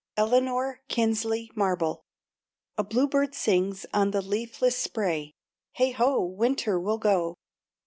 ELANORA KINSLEY MARBLE. "A bluebird sings on the leafless spray, Hey ho, winter will go!"